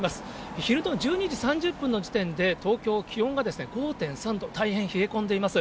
昼の１２時３０分の時点で東京、気温が５．３度、大変冷え込んでいます。